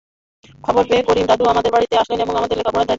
খবর পেয়ে করিম দাদু আমাদের বাড়িতে আসেন এবং আমার পড়ালেখার দায়িত্ব নেন।